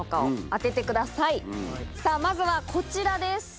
さぁまずはこちらです。